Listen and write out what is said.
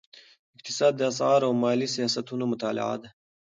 اقتصاد د اسعارو او مالي سیاستونو مطالعه ده.